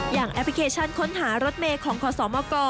อย่างแอปพลิเคชันค้นหารถเมตรของคสม